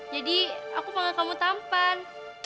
jadi aku panggil kamu tampan